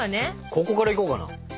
ここからいこうかな。